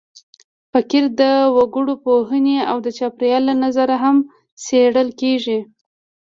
فقر د وګړپوهنې او د چاپېریال له نظره هم څېړل کېږي.